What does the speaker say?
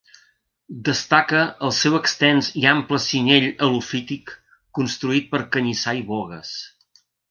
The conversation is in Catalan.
Destaca el seu extens i ample cinyell helofític, constituït per canyissar i bogues.